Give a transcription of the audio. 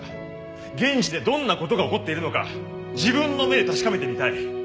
現地でどんなことが起こっているのか自分の目で確かめてみたい。